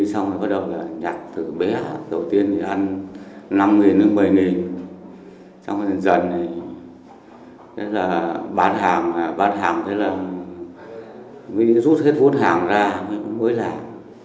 xong rồi bắt đầu nhặt từ bé đầu tiên ăn năm một mươi nghìn xong rồi dần dần bán hàng bán hàng thế là rút hết vốn hàng ra mới làm